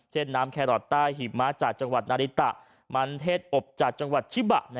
เช่นน้ำแครอตต้ายหิมะจากจังหวัดนาริตะมันเทศอบจากจังหวัดชิบะ